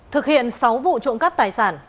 thực hiện sáu vụ trộm cắp tài sản